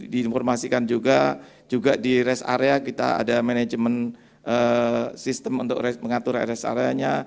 diinformasikan juga juga di rest area kita ada management system untuk mengatur rest area nya